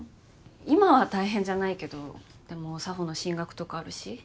今は大変じゃないけどでも佐帆の進学とかあるし。